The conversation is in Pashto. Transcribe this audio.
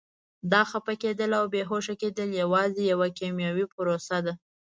دا خفه کېدل او بې هوښه کېدل یوازې یوه کیمیاوي پروسه ده.